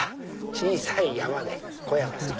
小さい山でコヤマさん。